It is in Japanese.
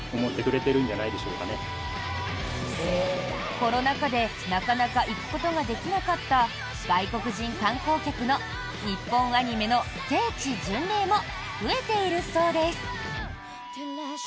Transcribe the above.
コロナ禍でなかなか行くことができなかった外国人観光客の日本アニメの聖地巡礼も増えているそうです。